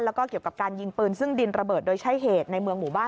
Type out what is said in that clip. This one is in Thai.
แล้วก็เกี่ยวกับการยิงปืนซึ่งดินระเบิดโดยใช้เหตุในเมืองหมู่บ้าน